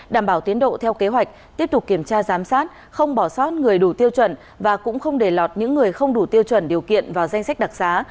đảm bảo tiến độ theo kế hoạch tiếp tục kiểm tra giám sát không bỏ sót người đủ tiêu chuẩn và cũng không để lọt những người không đủ tiêu chuẩn điều kiện vào danh sách đặc xá